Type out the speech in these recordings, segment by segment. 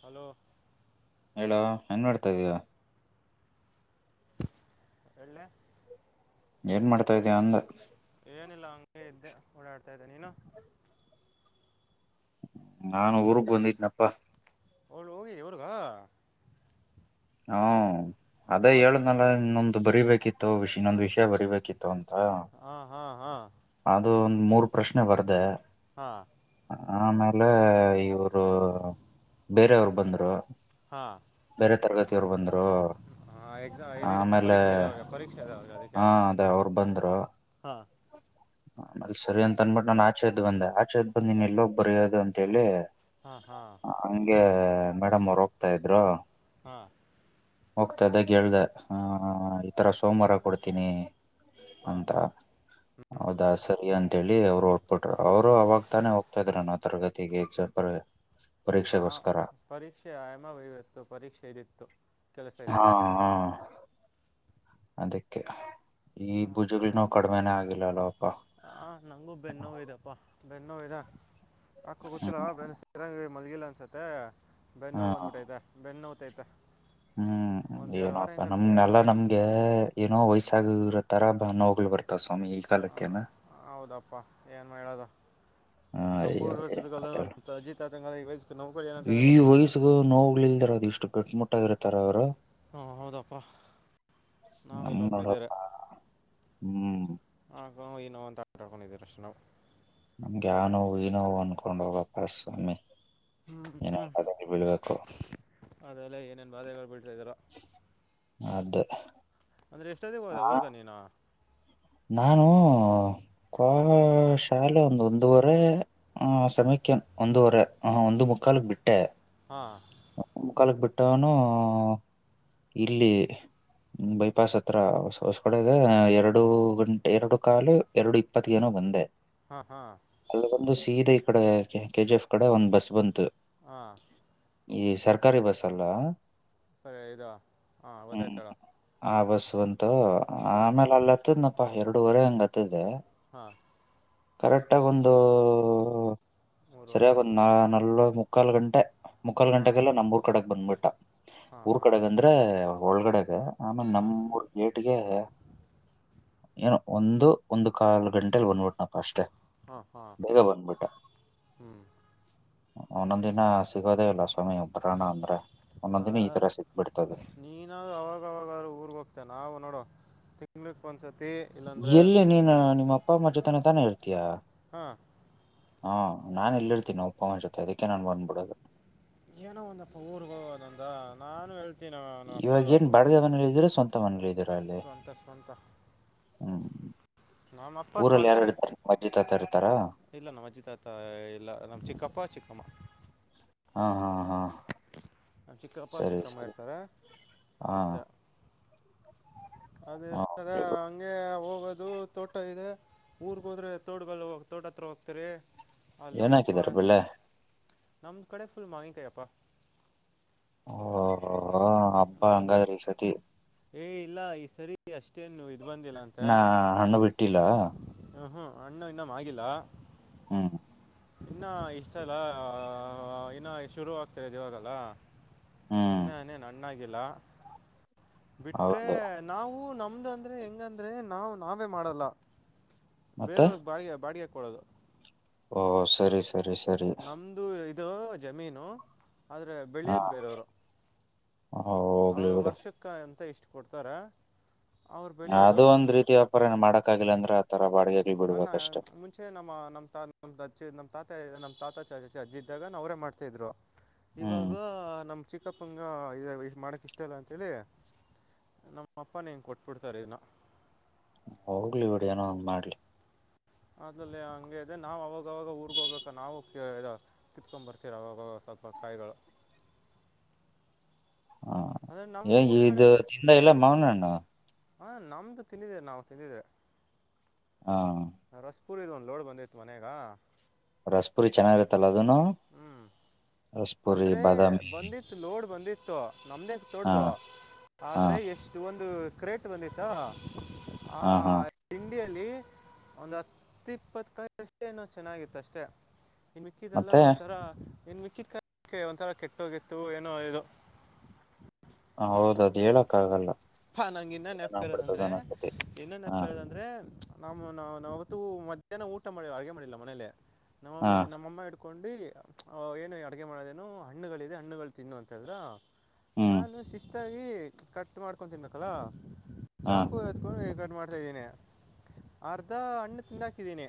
Hello ಹೇಳೋ ಹೆಂಗ ಮಾಡ್ತಾ ಇದಯ ಎಳ್ಳೆ ಏನ್ ಮಾಡ್ತಾ ಇದ್ದೀವ ಅಂದ ಏನಿಲ್ಲ ಹಂಗೆ ಇದ್ದೆ ಓಡಾಡ್ತಾ ಇದ್ದೆ ನೀನು ನಾನು ಊರುಕ್ ಬಂದಿದ್ದನಪ್ಪ ಅವ್ಳು ಹೋಗಿದ್ದಿ ಅವರ್ಗ ಹಾ ಅದೇ ಯಾವತ್ತು ಹೇಳ್ನಲ್ಲ ಇನ್ನೊಂದು ಬರಿಬೇಕಿತ್ತುಷ್ ಇನ್ನೊಂದ್ ವಿಷಯ ಬರಿಬೇಕಿತ್ತು ಅಂತ ಹಾಂ ಹಾಂ ಹಾಂ ಅದು ಒಂದ ಮೂರ್ ಪ್ರಶ್ನೆ ಬರ್ದೆ ಹಾ ಆಮೇಲೆ ಇವರು ಬೇರೆಯವರು ಬಂದರು. ಹಾಂ ಬೇರೆ ತರಗತಿಯವ್ರು ಬಂದರು. ಹಾಂ ಎಕ್ಸಾಮ್ ಇದಿದೆ ಆಮೇಲೆ ಪರೀಕ್ಷೆ ಇದೆ ಅವ್ರಿಗೆ ಪರೀಕ್ಷೆ ಹಾ ಅದೇ ಅವರು ಬಂದ್ರು. ಹಾ. ನ ಅಲ್ಲಿ ಸರಿ ಅಂತ ಅನ್ಬಿಟ್ಟು ನಾನ ಆಚೆದ ಬಂದೆ ಆಚೆದ್ ಬಂದಿ ನೀನ್ ಎಲ್ಲೋಗ್ ಬರಯೋದು ಅಂತ ಹೇಳಿ. ಹಾಂ ಹಾಂ ಹಂಗೆ ಮೇಡಮ್ ಅವರು ಹೋಗ್ತಾ ಇದ್ರು. ಹಾ. ಹೋಗ್ತಾದಾಗ ಹೇಳ್ದ ಆ ಈತರ ಸೋಮವಾರ ಕೊಡ್ತೀನಿ ಹಾ ಅಂತ ಹಾ ಹೌದಾ ಸರಿ ಅಂತೇಳಿ ಅವ್ರು ಹೊಟ್ಬಿಟರು ಅವ್ರು ಅವಾಗ ತಾನೇ ಹೋಗ್ತಾ ಇದ್ರ ಉರಗತಿಗೆಕ್ಸಪ ಹಾ ಪರಿಕ್ಷೆ ಆಾಮ ಭ ವತ್ತು ಪರಿಕ್ಷೆ ಇ ಇತ್ತು ಕೆಲಸ ಹಾ ಇತ್ತು ಹಾ ಅದಕ್ಕೆ ಈ ಮ- ಭುಜುಗಳನೋ ಕಡಿಮೆನೇ ಆಗಿಲ್ಲಲ್ವ ಆ ನಂಗೂ ಬೆನ್ನೋ ಇದಪ್ಪ ಬೆನ್ನೋ ಅಕ್ಕ ಗೊತ್ತಿಲ್ಲ ಹ್ಮ ಬೆರಂಗಿ ಮಲ್ಗಿಲ್ಲ ಅನ್ಸತ್ತೆ ಬೆಣ್ಣ್ ಹಾ ಬಂದ್ಬಿಟ್ಟೈತೆ ಬೆಣೋತೈತೆ ಹ್ಮ್ ಏನಪ್ಪ ವಾರದಿಂದ ಎರಡು ನಮ್ನೆಲ್ಲಾ ವಾರದಿಂದ ನಮ್ಗೆ ಏನೋ ವಯ್ಸ್ ಸಗರ ತರಾ ಬ ನೋಗಲು ಬರ್ತಾವ ಸ್ವಾಮಿ ಈ ಕಾಲಕ್ಕನಾ ಹೌದಪ್ಪಾ ಏನ್ ಮಾಡ ಹೇಳೋದ ಹ ನಮ್ಮ ಅಯ್ಯೋ ಪೂರ್ವ ಏನ್ ಚಲ್ಲ ಕಥೆ ನ ಹೇಳು ಅಜಿತ್ ಆತ ವಯಸ್ ನಮ್ ಕಡೆ ಏನಂತ ಗೊತ್ತಿಲಿಲ್ಲ ಎಷ್ಟು ಗುಟ್ಟ ಮುಟ್ಟಾಗಿರ್ತಾರೆ ಅವರು ಹಾ ಹೌದಪ್ಪಾ ನಾವ್ ನಮ್ ಇಲ್ಲೊಬ್ಬರು ಇದ್ದೇಾರೆ ನೋಡಪ್ಪ ಹ್ಮ್ ಆ ನ ಅಂತ ಆಟಾಡ್ಕೊಂಡಿದೀರ ಅಶ ನಾವು ನಮ್ಗೆ ಯ ನೋ ನೋವು ಅನ್ಕೊಂಡ ಹೋಗ ಪರಸ್ವಾಮಿ ಹ್ಮ್ ಹ್ಮ್ ಅದೆಲ್ಲ ಏನೇನ್ ಬಾಧೆಗಳು ಬೀಳ್ತಾಿದೀಾರ ಅದ ಅಂದ್ರೆ ಎಷ್ಟೊತ್ತ ಹೋದ ಆ ಊರ್ಗ ನೀನು ನಾನು ಕ ಶಾಲೆ ಒಂದು ಒಂದುವರೆ ಹ ಸಮಯಕ್ಕೆೇನ್ ಒಂದೂುವರೆ ಹ ಒಂದು ಮುಕ್ಕಾಾಲಕ್ ಬಿಟ್ಟೆ ಹಾ ಕಾಲಕ್ ಬಿಟ್ಟನು ಇಲ್ಲಿ ಬೈಪಾಸ್ ಹತ್ರ ಹೊಸ ಹೊಸ ಕಡೆ ಇದೆ ಎರಡು ಗಂಟೆ ಎರಡು ಕಾಲು ಎರಡು ಇಪ್ಪತ್ತ ಏನ ಒಂದೆ ಹಾಂ ಹಾಂ ಅಲ್ಲಿವೊಂದು ಸೀದೆ ಕಡೆ ಕೆ ಕೆ ಜಿ ಎಫ್ ಕಡೆ ಒಂದ್ ಬಸ್ ಬಂತು ಹಾ ಈ ಸರ್ಕಾರಿ ಬಸ್ ಅಲ್ಲ ಸರಿ ಇದಾ ಹಾ ಹ್ಮ್ ಗೊತ್ತಾಯ್ತಾಳ ಆ ಬಸ್ ಬಂತು ಆಮೇಲೆ ಅಲ್ಲತ್ತದ್ನಪ್ಪ ಎರಡುವರೆ ಹಂಗತ್ತದೆ ಹಾ ಕರೆಕ್ಟ್ ಆಗ ಒಂದು ಮೂರುವರೆ ಸರಿಯಾಗಿ ಒಂದು ನಾಲ್ಕು ನ ನಲ್ಲ ಮುಾಲು ಗಂಟೆ ಮುಕ್ಕಾಲ್ ಹಾಂ ಗಂಟೆಗೆೆಲ್ಲ ನಮ್ ಊರ್ ಕಡೆಗ್ ಬಂದ್ಬಿಟ್ಟ ಹಾಂ ಊರ್ ಹಾಂ ಕಡೆಗ ಅಂದ್ರೆ ಒಳಗಡೆಗ ಆಮೇ ನಮ ಹಾಂ ಮೂ ಗೇಟಗೆ ಹ ಏನು ಒಂದು ಒಂದು್ ಕಾಲು ಗಂಟೆಲಿ ಒಂದ್ಬಟ್ನಪ್ಪ ಅಷ್ಟೆ ಹ ಹಾ ಹ್ಮ್ ಒಂದೊಂದ್ ದಿನ ಸಿಗೋದೇ ಇಲ್ಲ ಸ್ವಾಮಿ ಉ ಪುರಾಣ ಅಂದ್ರೆ ಆ ಒಂದೊಂದಿನೇ ಈ ತರ ಸಿಗ್ಬಿಡ್ತದೆ ನೀನಾದ್ರೂ ಅವಾಗ ತಿಲ ಪಂಚ ಎಲ್ಲಿ ನೀನು ನಿಮ್ಮ ಅಪ್ಪ ಅಮ್ಮ ಜೊತೆನ ತಾನೇ ಇರ್ತೀಯಾ ಹ್ಮ ಹಾ ನಾನನ್ ಎಲ್ಲಿರ್ತೀನಿ ಒಪ್ಪವೊಂಡಿತ್ತೆ ಅದಕ್ಕೆ ನಾನು ಬಂದ್ಬಿಡೋದು ಏನೋ ಒಂದಪ್ಪ ಊರ್ ಹೋಗ ನಂದ ನಾನು ಹೇಳ್ತ ಇವಾಗೇಏನ್ ಬಡಗ ಮನೇಲಿ ಇದೀರ ಸ್ವಂತ ಮನೇಲಿ ಇದೀರಾ ಅಲ್ಲಿ ಸ್ವಂತ ಸ್ವಂತ ಹ್ಮ್ ನಮ್ಮಪ್ಪ ಊರಲ್ಲಿ ಸ್ವಂತ ಯಾರ ಮ ಇತಾರೆ ಮಜ್ಜಿ ತಾತ ಇರ್ತ್ತಾರೆ ಇಲ್ಲ ನಮ್ಮ್ ಅಜ್ಜಿತಾತ ಎಲ್ಲ ನಮ್ ಚಿಕ್ಕಪ್ಪ ಚಿಕ್ಕಮ್ಮ ಹಾ ಹಾ ಹಾ ಚಿಕ್ಕಪ್ಪ ಸರಿ ಚಿಕ್ಕಮ್ಮ ಸರಿ ಇರ್ತಾರೆ ಹಾ ಅಷ್ಟೇ ಹಾ ಅದ ಓಕೆ ಬ್ರೋ ಹಂಗೆ ಹೋಗೋದು ತೋಟ ಇದೆ ಊರ್ಗ ಹೋದ್ರೆ ತೋಡ್ ಬಲ್ಲ ತೋಟ ಹತ್ರ ಹೋಗ್ತರಿ ಏನ್ ಹಾಕಿದಾರ ಬೆಳ್ಳೆ ನಮ್ದ್ ಕಡೆ ಫುಲ್ ಮಾಹಿಕಯಪ್ಪ ಓ ಹಬ್ಬಾ ನಮ್ಮದು ಹಂಗಾದ ಬೆ ರೀಸ್ವತಿ ಏ ಇಲ್ಲ ಈ ಸರಿ ಅಷ್ಟೇನು ಇ್ ಬಂದಿಲ್ಲ ಅಂತ ನಾ ಹಣ್ಣು ಬಿಟ್ಟಿಲ್ಲ ಹ್ಮ್ ಹ್ಮ್ ಅಣ್ಣು ಇನ್ನಮ್ಮ್ ಆಗಿಲ್ಲ ಹ್ಮ ಇನ್ನ ಇಷ್ಟ ಅಲ್ಲ ಇನ್ನು ಶುರು ಆಗ್ತಿರದು ಇವಾಗಲ್ಲ ಹ್ಮ್ ಇನ್ನಾನನೆ ನ್ಣಾಗಿಿಲ್ಲ ಬಿಟ್ರೆ ಹೌದು ನಾವು ನಮ್ಮ ನಮ್ದ ಅಂದ್ರೆ ಹೆಂಗಂದ್ರೆ ನಾವವು ನಾವೇ ಮಾಡಲ್ಲ ಮತ್ತೆ ಬೇರವ್ರಗ್ ಬಾಡಿಯ ಬಾಡಿಯ ಕೊಡದು ಓ ಸರಿ ಸರಿ ಸರಿ ನಮ್ಮದು ಇದು ಜಮೀನು ಆದರೆ ಹಾ ಬೆಳೆಯೋದು ಬೇರೆಯವರು ಹೋಗ್ಲಿ ಅವರು ಬಿಡು ವರ್ಷಕ್ಕೆ ಅಂತ ಇಷ್ಟು ಕೊಡ್ತಾರೆ ಅವ್ರು ಬೆಳೆಯೋದು ಅದುೂ ಒಂದ ರೀತಿ ವ್ಯಾಪಾರ ಮಾಡಕ್ಕಾಗಿಿಲ್ಲ ಅಂದ್ರೆ ಅ ಹನ್ನ ಮುಂಚೆ ನಮ್ಮ ನಮ್ ತಾ ನಮ್ೆ ನಮ್ ತಾತ್ ನಮ್ಮ್ ತಾತ ಚಚ ಇದಾಗ ನಾವ ಅವ್ರೇ ಮಾಡ್ತಾ ಇದ್ರು ಹ್ಮ್ ಇವಾಗ ನಮ್ಮ್ ಚಿಕ್ಕಪಂಗ ಇ ಮಾಡಕ್ ಇಷ್ಟ ಅಲ್ಲ ಅಂತೇಳಿ ನಮ್ಮ ಅಪ್ಪನ ಹೆಂಗ ಕೊಟ್ಬಿಡ್ತಾರ ಇದನ್ನ ಹೋಗ್ಲಿ ಬಿಡಿ ಏನೋ ಒಂದ್ ಮಾಡ್ಲಿ ಅದ್ರಲ್ಲಿ ಹಂಗೆ ಇದೆ ನಾವ್ ಅವಾಗ ಅವಾಗ ಊರ್ಗ್ ಹೋಗಬೇಕ ನಾವು ಕಿತ್ಕೊಂಡ್ ಬರ್ತೀರ ಅವಾಗ ಅಥವಾ ಕಾಯಿಗಳು ಹಾ ಅಂದರೆ ಏ ನಮ್ಮ ಊರ ಇದು ತಿಂದ ಇಲ್ಲ ಮವನಣ್ಣ ಹಾ ನಮ್ದು ತಿಂದಿದೇ ನಾವು ತಿಂದಿದ್ರವೆ ಹಾ ರಸಪೂರ್ ಇ ಇದ್ ಒಂದು ಲೋಡ್ ಬಂದಿತ್ತು ಮನ್ಯಾಗ ರಸ್ಪುರಿ ಚೆನ್ನಾಗಿರುತ್ತಲ್ಲ ಅದನು ಹ್ಞೂ ರಸ್ಪುರಿ ಅಂದ್ರೆ ಬಾದಾಮಿ ಬಂದಿತ್ತು ಲೋಡ್ ಬಂದಿತ್ತು ನಮ್ದೇ ಹಾ ತೊಡ್ದ ಹಾ ಆದ್ರೆ ಎಷ್ಟು ಒಂದು ಕ್ರೇಟ್ ಬಂದಿತ್ತಾ ಹ ಹಾ ಹಾ ಇಂಡಿಯ ಒಂದ್ ಹತ್ತ ಇಪ್ಪತ್ಷ್ಟ ನೋ ಚೆನ್ನಾಗಿತ್ತ ಅಷ್ಟೆ ಏನ್ ಮಿಕ್ಕಿದಲ್ಲ ಮತ್ತೆ ಒಂಂತರಾ ಏನ್ ಮಿಕ್ಕಿದ್ ಅಕೆ ಒಂಥರ ಕೆಟ್ಟೋಗಿತ್ತು ಏನೋ ಇದು ಹ ಹೌದ ಅದು ಹೇಳಕ್ಕ ಆಗಲ್ಲ ಹಾ ನಂಗಗೆ ಇನ್ನ ಚೆನ್ನಾಗ್ ಬರ್ತದ ನೆಪ್ಕರೋದಂದ್ರೆ ಅನಸ್ತತಿ ಇನ್ನ ಹಾ ನೆಪ್ಕರೋದಂದ್ರೆ ನಮ್ಮ್ ನಾ ಅವತ್ತು ಮಧ್ಯಾಹ್ನ ಊಟ ಮಾಡ ಅಡುಗೆ ಮಾಡಿಲ್ಲ ಮನೇಲೆ ಹಾ ನಮ್ಮಮ್ಮಿ ನಮ್ಮಮ್ಮ ಹಡ್ಕೊಂಡ ಹಕೊಂಡು ಏನು ಅಡಗೆ ಮಾಡೋದೇನು ಹಣ್ಣುಗಳಿದೆ ಹಣ್ಣುಗಳು ತಿನ್ನು ಅಂತಂದ್ರೆ ಹ್ಮ್ ನಾನು ಶಿಸ್ತಾಗಿ ಕಟ್ ಮಾಡ್ಕೊಂಡ ತಿನ್ಬೇಕಲ್ಲ ಹಾ ಚಾಕು ಎತ್ಕೊಂಡು ಮಾಡ್ತಾ ಇದಿದ್ದೀನನೆ ಅರ್ಧ ಹಣ್ಣ ತಿಂದಾಕಿದ್ದೀನಿ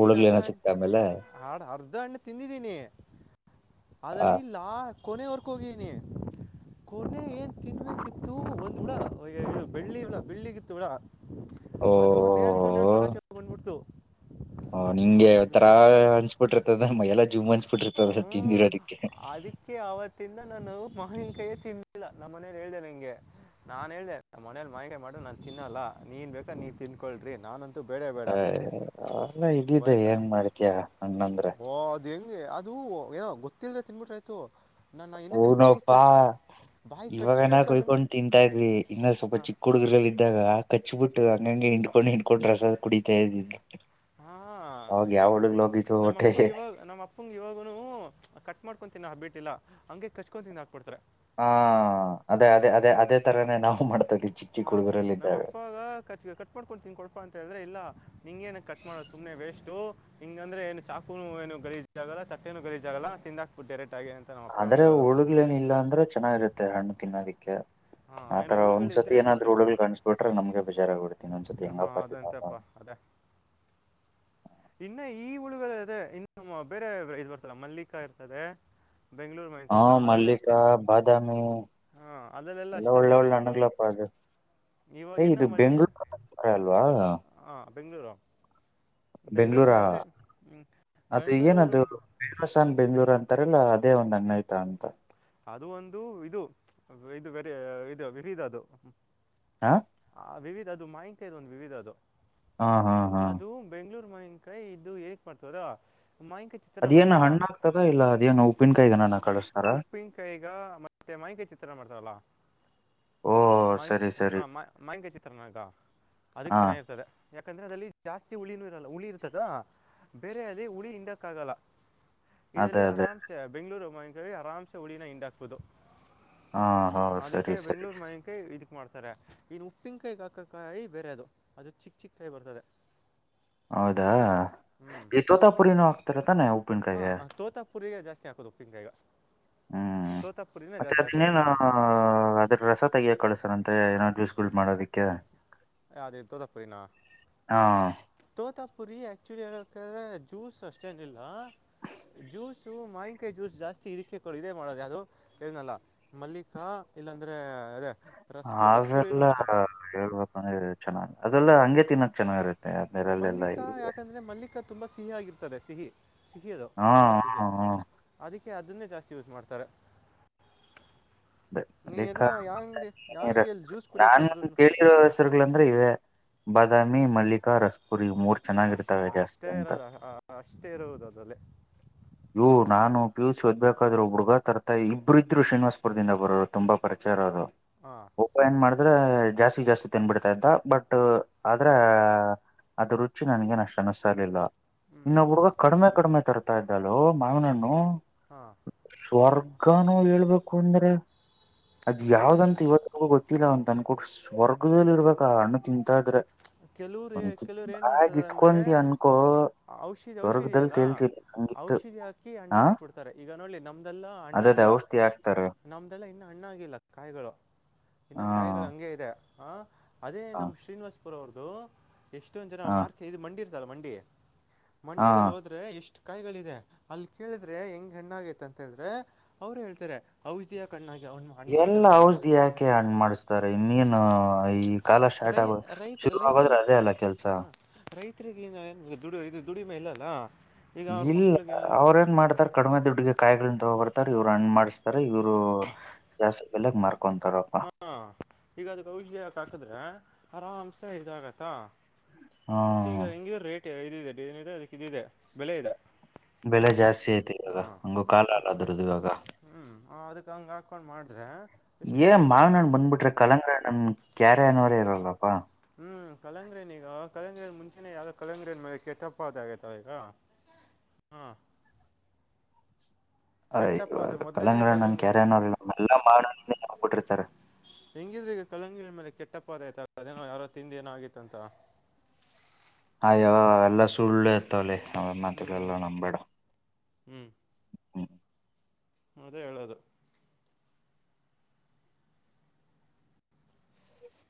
ಹುಳಗ್ಲಿ ಏನ ಸಿಕ್ತ ಆಮೇಲೆ ಣ್ಣ ತಿಂದಿದ್ದೀನಿ ಆ ಅಲ್ಲಿ ಲಾ ಕೊನೆವರ್ಕ್ ಹೋಗನಿ ಕೊನೆ ಏನ್ ತಿನ್ವ ಇ ಒಂದ್ ಕೂಡ ಬೆಳ್ಳಿಡ ಬೆಳ್ಳಿಗಿತ್ತು ಕೂಡ ಓ ಅದು ನೇಡ್ಕೊಂಡು ನೇಡ್ಕೊಂಡ್ ಆಚೆ ಹಂದ್ಬಿಡ್ತು ಹ ನಿಂಗೆ ಅವ ತರಾ ಅಂಚ್ಬಿಟ್ಟಿರ್ತದ ಮೆಲ್ಲ ಜುಮ್ ಹಂಚ್ಬಿಟ್ಟಿರ್ತದ ತಿಂದಿರೋದಕ್ಕೆ ಆತ್ತಿಂದ ನಾನು ಮಾಹಿಕಯೇ ತಿಿಂದಿಲ್ಲ ನಮ್ಮ ಮನೇ ಹೇಳ್ದೇನೆ ನಾನ್ ಹೇಳ್ದೆ ಮನೇಲಿ ಮಾವಿನಾ ಕಾಯಿ ಮಾಡಿದ್ರೆ ನಾನ್ ತಿನ್ನಲ್ಲ ನೀವ್ ಬೇಕಾದ್ರೆ ನೀವ್ ತಿನ್ಕೊಳ್ರಿ ನಾನ ಏ ಅಲ್ಲ ಭಯ ಇದ್ದಿದ್ದೆ ಏನ್ ಮಾಡ್ತೀಯಾ ಓ ಅದ್ ಹೆಂಗೆ ಅದು ಏನೋ ಗೊತ್ತಿಲ್ದೆ ತಿಂದ್ಬಿಟ್ರೆ ಆಯ್ತು ನಾ ಎನ್ನನ್ನ ಬಾಯ ಕಚ್ ಬಾಯಿ ಇವಾಗ ನ ಕಚ್ಬೇಕು ಅದನ್ನು ಕುಯಕೊಂಡ್ ತಿಂತಾ ಇದ್ವಿ ಇನ್ನ ಸ್ವಲ್ಪ ಹಾ ಚಿಕ್ಕ ಹುಡುಗರುಲ್ಲ ಇದ್ದಾಗ ಹಚ್ಬಿಟ್ಟು ಹಂಗಂಗೆ ಹಿಂಡಕೊಂಡು ಹಿಂಡಕೊಂಡ್ ರಸ ಕುಡಿತಾ ಇದ್ವಿ ಆವಾಗ ನಮ್ಮ ಅಪ್ಪ ಇವಾಗ ನಮ್ಮ ಅಪ್ಪಂಗ ಇವಾಗ ಕಟ್ ಮಾಡ್ಕೊಂಡು ತಿನ್ನೋ ಹ್ಯಾಬಿಟ್ ಇಲ್ಲ ಹಂಗೆ ಕಚ್ಕೊಂಡ ತಿಂದಾಗ್ ಬಿಡ್ತಾರೆ ಹಾ ಅದೇ ಅದೇ ಅದೇ ಅದೇ ತರನೇ ನಾವು ಮಾಡ್ತವಿ ಚಿಕ್ಕ ಹಾ ಚಿಕ್ಕ ಹುಡುಗರಲ್ಲಿ ಇದ್ದಾಗ ನಮ್ಮಪ್ಪಾಗ ಕ ಕಟ್ ಮಾಡ್ಕೊತೀನ್ಕೊಡ್ಪಾ ಅಂತ ಹೇಳಿದ್ರೆ ಇಲ್ಲಾ ನಿಂಗೇಏನ ಕಟ್ ಮಾಡೋದು ಸುಮ್ಮನೆ ವೇಸ್ಟು ಹಿಂಗ ಅಂದ್ರ ಏ ಚಾಕು ಏನು ಗಲೀಜಲ್ಲ ತಟ್ಟೆನು ಏನು ಗಲೀಜಾಗಲ್ಲ ತಿಂದಾಗ್ಬಿಟ್ರೇ ಅಂದ್ರೆ ಹುಳುಗಳು ಏನು ಇಲ್ಲ ಅಂದ್ರೆ ಚೆನ್ನಾಗಿರುತ್ತೆ ಹಣ್ಣು ತಿನ್ನೋದಿಕ್ಕೆ ಹಾಂ ಏನೋ ಆತರ ಒಂದ್ಸತಿ ಹುಳುಗಳಿದ್ದರೆ ಅದೊಂದು ಏನಾದ್ರೂ ಕಷ್ಟ ಹುಳುಗಳು ಕಾಣಿಸಿ ಬಿಟ್ರೆ ನಮ್ಗೆ ಬೇಜಾರಗ್ಬ ಬಿಡ್ತೀನಿ ಒಂದ್ಸತಿ ಹೆಂಗಪ್ಪ ಅದ ಇನ್ನು ಈ ಹುಳುಗಳ ಅದೆ ಇನ್ನು ಬೇರೆ ಇದ್ ಬರ್ತಲ್ಲ ಮಲ್ಲಿಕ ಇರ್ತದೆ ಬೆಂಗಳೂರು ಹಾ ಮಲ್ಲಿಕಾಯಿ ಎಲ್ಲ ಅದೆಲ್ಲ ಮಲ್ಲಿಕ ಅಷ್ಟೇ ಬಾದಾಮಿ ಹಾಂ ಅದರಲ್ಲೆಲ್ಲ ಎಲ್ಲ ಅಷ್ಟೆಲ್ಲ ಒಳ್ಳೆ ಒಳ್ಳ ಇರಲ್ಲ ಅವಳು ಅಣುಗ್ಲಪ್ಪ ಅದು ಏ ಇವಾಗಿನ್ನ ಇದು ಮಲ್ಲಿಕ್ ಬೆಂಗ್ಗಳೂರುರ ಅಲ್ವಾ ಹಾಂ ಬೆಂಗಳೂರು ಬೆಂಗಳೂರು ಬೆಂಗ್ಳೂರ ಮಾವಿನಕಾಯಿ ಹ್ಞೂ ಅದು ಬೆಂಗಳೂರು ಏನದು ಮ ಬೊ ಕಾನ್ ಬೆಂಗ್ಳೂರ್ ಅಂತಾರಲ್ಲ ಅದೇ ಒಂದ್ಣ್ಣ ಯತ ಅಂತ ಅದು ಒಂದು ಇದು ಇದುರೆ ಇದು ವಿವಿಧ ಅದು ಹಾ ಆ ವಿವಿಧ ಅದು ಮಾಹಿಕ ಇದು ಒಂದು ವಿವಿಧ ಅದು ಹಾ ಹಾ ಹಾ ಮನ್ಕೈ ಇದು ಏಕ್ ಮಾಡ್ತದ ಮಾವಿನಕಾಯಿ ಚಿತ್ರನ ಅದೇನ ಮಾಡ್ತಾರಲ್ಲ ಹಣ್ಣಾಗ ಆಗ್ತದ ಇಲ್ಲ ಅದೇನ ಉಪ್ಪಿನಕಾಯಿಗೇ ನಾನ ಕಳಿಸಸ್ತಾರ ಉಪ್ಪಿನಕಾಯಿಗ ಮತ್ತೆ ಮೈಂಕೈ ಚಿತ್ರನ್ನ ಮಾಡ್ತಾವಲ್ಲ ಓ ಮಯ ಸರಿ ಚಿ ಹ ಸರಿ ಮಯಂಕ ಚಿತ್ರನಗಾ ಅದಕ್ ಹಾ ಚೆನ್ನಾಗಿರ್ತದೆ ಯಾಕಂದ್ರೆ ಅಲ್ಲಿ ಜಾಸ್ತಿ ಹುಳಿನೂ ಇರಲ್ಲ ಹುಳಿ ಇರ್ತದ ಬೇರೆ ಅದೇ ಹುಳಿ ಹಿಂಡಕ್ಕಾಗಲ್ಲ ಅದೇ ಇದರಲ್ಲಿ ಅದೇ ಆರಾಮ್ಸೆ ಬೆಂಗಳೂರುಮಾವಿನಕಾಯಿ ಆರಾಮ್ಸೆ ಉಳಿನ ಹಿಂಡಾಕ್ಬಹುದು ಹಾ ಹಾ ಸರಿ ಸರಿ ಇನ್ ಉಪ್ಪಿನಕಾಯಿಗ ಹಾಕಕಾಯಿ ಬೇರೆ ಅದು ಅದು ಚಿಕ್ಕ ಚಿಕ್ಕ ಕಾಯಿ ಬರ್ತದೆ ಹೌದಾ ಈ ತೋತಾಪುರಿನೂ ಆಗ್ತಾರತಾನೆ ಹಾ ತೋತ ಪುರಿರಿಗೆ ಜಾಸ್ತಿ ಹಾಕದು ಉಪ್ಪಿನಕಾಯಗ ಹ್ಮ್ ಮತ್ತೆ ಅದನ್ನೇನ ಅದ್ರ ರಸ ತೆಗಿಯಕ ಕಳ್ಸನಂತೆ ಏನೋ ಜ್ಯೂಸ್ಗಳು ಮಾಡೋದಿಕ್ಕೆ ಅದ ಇತ ತಪ್ಪ್ರಿನ ಹಾ ತೋತಾಪುರಿ ಆಕ್ಚುಲಿ ಹಳ್ಂದ್ರೆ ಜ್ಯೂಸ್ ಅಷ್ಟೇನೀ ಲ್ಲ ಜ್ಯೂಸು ಮಾಹನ್ಕಾಯಿ ಜ್ಯೂಸ್ ಜಾಸ್ತಿ ಇರಿಕೆ ಕೊಡ ಇದೇ ಮಾಡೋದು ಯಾವ್ದು ಮಲ್ಲಿಕಾ ಇಲ್ಲಾಂದ್ರೆ ಅವೆಲ್ಲ ಹೇಳ್ಬೇಕಂದ್ರೆ ಚೆನ್ನಾಗ್ ಅದೆಲ್ಲ ಹಂಗೆ ತಿನ್ನಕ್ ಚೆನ್ನಾಗಿರುತ್ತೆ ನ ಅಮೇರಲ್ಲ ಎಲ್ಲ ಇ ತುಂಬಾ ಸಿಹಿಯಾಗಿರ್ತದೆ ಸಿಹಿ ಸಿಹಿ ಅದು ಹಾ ತುಂಬಾ ಸಿಹಿ ಹಾ ಹಾ ಅದಿಕ್ಕೆ ಅದನ್ನೇ ಜಾಸ್ತಿ ಯೂಸ್ ಮಾಡ್ತಾರೆ ನೀನೆಲ್ಲ ಮಲ್ಲಿಕಾ. ಯಾವ ಅಂಗಡಿ ಯಾವ ಹ್ಮ ಅಂಗಡಿಯಲ್ಲಿ ಜ್ಯೂಸ್ ಕುಡಿಯೋಕೆ ನಾನ್ ಹೋದ್ರೂ ಕೇಳ್ತಿರೋ ಹೆಸರುಗಳಂದ್ರೆ ಇವೆ ಬಾದಾಮಿ ಮಲ್ಲಿಕಾ ರಸ್ ಅಷ್ಟ ಅಷ್ಟೇ ಇರದು ಅಷ್ಟೇ ಇರುವುದು ಅದಲ್ಲೇ ಇ್ ನಾನು ಪಿಯ ಯು ಸಿ ಓದ್ಬೇಕಾದ್ರು ಹುಡುಗ ತರತಾಯಿ ಇಬ್ಬರು ಇದ್ರು ಶ್ರೀನಿವಾಸಪುರದಿಂದ ಬರೋರು ತುಂಬಾ ಪರ ಹಾಂ ಮಾಡ ಅಂದ್ರೆ ಜಾಸ್ತಿ ಜಾಸ್ತಿ ತಿನ್ಬಿಡ್ತಾ ಇದ್ದ ಬಟ್ ಆದ್ರ ಅದು ರುಚಿ ನನ್ಗೆ ಅಷ್ಟು ಅನಸರ್ಲಿಲ್ಲ ಹ್ಞೂ ಇನ್ನೊಬ್ ಹುಡುಗ ಕಡಿಮೆ ಕಡಿಮೆ ತರ್ತಾ ಇದ್ದಳು ಮಾವನ್ಣ ಹಾಂ ಸ್ವರ್ ಈಗಾನೋ ಹೇಳ್ಬೇಕು ಅಂದ್ರೆ ಅದ್ ಹೇ ಯಾವ್ದಂತ ಇವತ್ತಗೂ ಗೊತ್ತ ಗತ್ತಿಲ್ಲ ಒಂತ ಅನ್ಕಟ್ಟು ಸ್ವರ್ಗದದಲ್ಲಿ ಇರ್ಬೇಕ ಆ ಹಣ್ಣು ತಿಂತಾದ್ರೆ ಕೆಲವ್ರು ಒಂಚ ಕೆಲವ್ರು ಏನು ಬಾಗ ಮಾಡ್ತಾರೆ ಅಂದರೆ ಇಟ್ಕೊಂತಿ ಅನ್ಕೋ ಔಷಧಿ ಔಷಧಿ ಹೊರ್ಗದಲ್ಲಿ ಇದೆಯಲ್ಲ ತೇಳ್ತರಿ ಹಂಗಿತ್ತು ಔಷಧಿ ಹಾಕಿ ಅಣ್ಣು ಹಾ ಮಾಡಸ್ಬಿಡ್ತಾರೆ ಈಗ ನೋಲಿ ನಮ್ದೆಲ್ಲಾ ಅಣ್ಣ ಅದೇ ಅದೇ ಇಲ್ಲ ಔಷಧಿ ಹಾಕ್ತಾರೆ ನಮ್ದ ಇಲ್ಲ ಇನ್ನು ಅಣ್ಣ ಆಾಗಿಲ್ಲ ಕಾಯಿಗಳು ಇನ್ನು ಹಾ ಕಾಯಿಗಳು ಹಂಗೆ ಇದೆ ಆ ಅದೇ ಹಾ ನಮ್ ಶ್ರೀನಿವಾಸಪುರ್ ಅವ್ರ್ದು ಎಷ್ಟೊಂದ್ ಜನ ಹಾ ಮಾರ್ಕೆ ಇ ಮಂಡಿ ಇರ್ತಲ್ಲ ಮಂಡಿ ಹಾ ಮಂಡಿಲ್ ಹೋದ್ರೆ ಎಷ್ಟ ಕಾಯಿಗಳಿದೆ ಅಲ್ಲಿ ಕೇಳಿದ್ರೆ ಹೆಂಗ ಹೆಣ್ಣಾಗೈತ ಅಂತ ಹೇಳಿದ್ರೆ ಅವ್ರು ಹೇಳ್ತಾರೆ ಔಷಧಿಯ ಕಣ್ಣಾಗಿ ಅವ್ನು ಹಣ್ಣು ಎಲ್ಲ ಮಾಡ್ಸಿರೋದು ಇದನ್ನು ಔಷಧಿ ಯಾಕೆ ಹಣ ಮಾಡಿಸ್ತಾರೆ ಇನ್ನನ್ ಹ ಈ ಕಾಲ ಸ್ಟಾರ್ಟ್ ರೈ ಆಗ ರೈತ ಶುರು ಆಗದ್ರೆ ಅದೇ ಅಲ್ಲ ಕೆಲ್ಸ ಹಗ ದು ಇದು ದುಡಿಮೆ ಇಲ್ಲ ಅಲ್ಲಾ ಇಲ್ಲ ಅವ್ರ ಏನ್ ಮಾಡ್ತಾರ ಕಡಿಮೆ ದುಡ್ಗೆ ಕಾಯಿಗಳ ಬರ್ತಾರೆ ಇವ್ರು ಅನ್್ ಮಾಡ್ತಾರೆ ಇವ್ರು ಜಾಸ್ತಿ ಬೆಲೆಗ್ ಮಾರ್ಾರೆ ಹಾ ಈಗ ಅದು ಕೌಷಯಾಕ ಹಾಕದ್ರೆ ಆರಾಮ್ಸ ಇದಾಗತ್ತ ಈಗ ಹ್ಮ ಹೆಂಗಿ ರೇಟ್ ಇದಿದೆನದೆ ಅದಕ್ಕೆ ಇದಿದೆ ಬೆಲೆ ಇದೆ ಬೆಲೆ ಜಾಸ್ತಿ ಆಯ್ತು ಇವಾಗ ಹಂಗು ಕಾಲ ಅಲ್ಲದ್ರದುು ಇವಾಗ ಹ್ಮ್ ಅದಕ್ ಹಂಗ ಹಾಕೊಂಡ್ ಮಾಡ್ರೆ ಏ ಮಾವ ನನ್ ಬಂದ್ಬಿಟ್ರೆ ಕಲಕ ನನ್ ಕ್ಯಾರೆ ಅನ್ನೋರೇ ಇರಲ್ಲಪ್ಪಾ ಹ್ಮ್ ಕಳಂಗ್ರನ ಈಗ ಕಳಂಗ್ರನ್ ಮುಂಚೆನೆ ಯಾವ್ದ ಕಳಂಗ್ರನ್ ಕೆಟ್ಟಪ್ಪ ಅದ ಆಗೈತಾವ ಈಗ ಹ್ಮ ಹ ಇವಾಗ ಕಳಂಗ ನನ್ ಕಲಂಗ್ರಿ ಕ್ಯಾರೆನೋಲ್ಲ ನ ಎಲ್ಲ ಮಾಡಬಿಟ್ಟಿರ್ತಾರೆ ಎಂಗಿದಗ ಕಳಂಗ ಆಮೇಲೆ ಕೆಟ್ಟಪ್ಪದಯ್ತಲ್ಲದಏನೋ ಯಾರೋ ತಿಿಂದ ಏನೋ ಆಗಿತ್ತಂತ ಅಯ್ಯವ ಎಲ್ಲಾ ಸುಳ್ಳು ಇತವಲ್ಲಿ ಅವ ಮಾತ ಎಲ್ಲ ನಂಬಬೇಡ ಹ್ಮ್ ಮದೇ ಹೇಳೋದು